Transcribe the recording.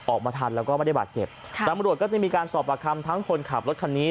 ออกมาทันแล้วก็ไม่ได้บาดเจ็บค่ะตำรวจก็จะมีการสอบประคำทั้งคนขับรถคันนี้